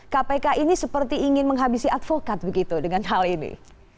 kpk ini seperti ingin menghabisi advokat begitu dengan hal ini